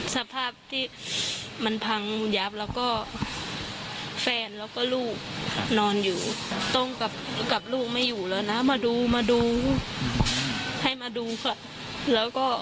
ส่วนคุณยายของน้องเต็มหนึ่งก็โสบเศร้าเหมือนกัน